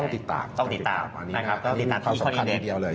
ต้องติดตามต้องติดตามที่คลิกเดือน